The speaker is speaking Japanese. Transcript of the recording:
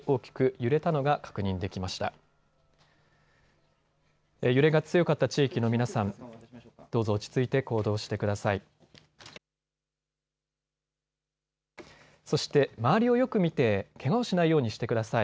揺れが強かった地域の皆さん、どうぞ落ち着いて行動してください。